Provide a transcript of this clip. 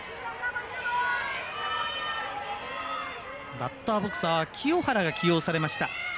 バッターボックスは清原が起用されました。